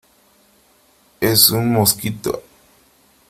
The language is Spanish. es un mosquito .